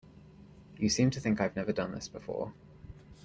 You seem to think I've never done this before.